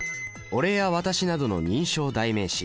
「俺」や「私」などの人称代名詞